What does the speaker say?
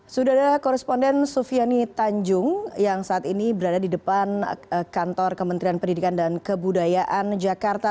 sudah ada koresponden sufiani tanjung yang saat ini berada di depan kantor kementerian pendidikan dan kebudayaan jakarta